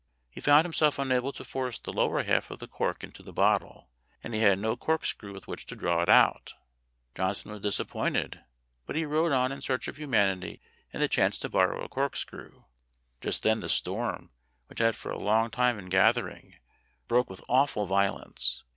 He found himself unable to force the lower half of the cork into the bottle, and he had no cork screw with which to draw it out. Johnson was dis appointed, but he rode on in search of humanity and the chance to borrow a corkscrew. Just then the storm, which had for a long time been gathering, broke with awful violence.